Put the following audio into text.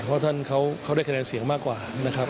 เพราะท่านเขาได้คะแนนเสียงมากกว่านะครับ